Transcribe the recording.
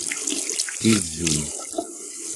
kis'un